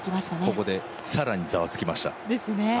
ここで更にざわつきました。